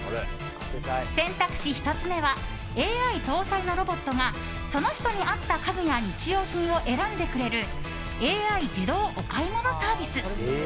選択肢１つ目はＡＩ搭載のロボットがその人に合った家具や日用品を選んでくれるＡＩ自動お買い物サービス。